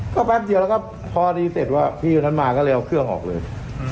ก็แป๊บเดียวแล้วก็พอดีเสร็จว่าพี่คนนั้นมาก็เลยเอาเครื่องออกเลย